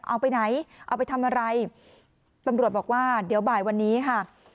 เอาไปไหนเอาไปทำอะไรตำรวจบอกว่าเดี๋ยวบ่ายวันนี้ค่ะ